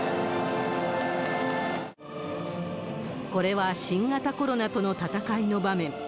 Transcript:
これは新型コロナとの闘いの場面。